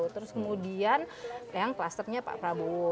terus kemudian yang klasternya pak prabowo